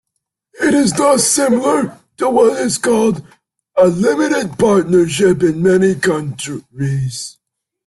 It is thus similar to what is called a limited partnership in many countries.